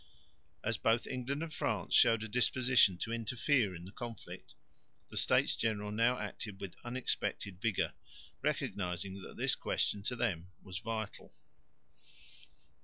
As both England and France showed a disposition to interfere in the conflict, the States General now acted with unexpected vigour, recognising that this question to them was vital.